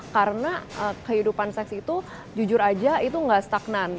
karena kehidupan seks itu jujur aja itu gak stagnant